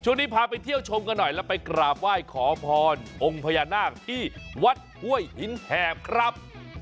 พาไปเที่ยวชมกันหน่อยแล้วไปกราบไหว้ขอพรองค์พญานาคที่วัดห้วยหินแหบครับ